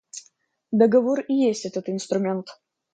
Договор и есть этот инструмент.